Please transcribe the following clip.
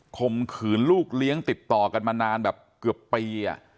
ข่มขืนลูกเลี้ยงติดต่อกันมานานแบบเกือบปี